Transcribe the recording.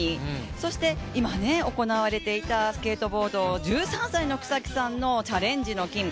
そして今、行われていたスケートボード、１５歳の草木さんのチャレンジの金。